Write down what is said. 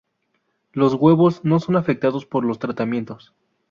Los huevos no son afectados por los tratamientos.